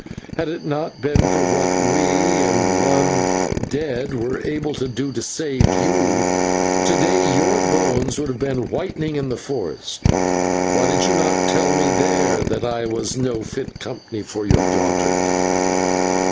Had it not been for what we and one dead were able to do to save you, to day your bones would have been whitening in the forest. Why did you not tell me there that I was no fit company for your daughter?"